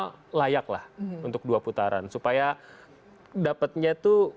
nasional layak lah untuk dua putaran supaya dapatnya tuh